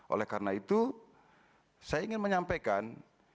oleh karena itu saya ingin menyampaikan